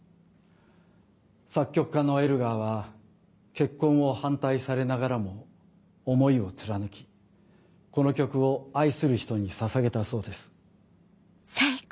作曲家のエルガーは結婚を反対されながらも思いを貫きこの曲を愛する人にささげたそうです。